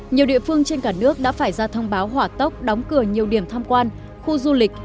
nhiều địa phương trên cả nước đã phải ra thông báo hỏa tốc đóng cửa nhiều điểm tham quan khu du lịch